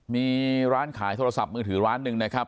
มีร้านขายโทรศัพท์มือถือร้านหนึ่งนะครับ